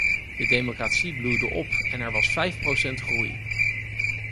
De democratie bloeide op en er was vijf procent groei.